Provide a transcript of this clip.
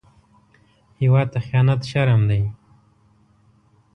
هېواد ته خيانت شرم دی